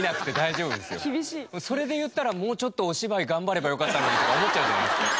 それで言ったら「もうちょっとお芝居頑張ればよかったのに」とか思っちゃうじゃないですか。